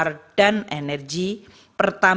undang undang apbn dua ribu dua puluh empat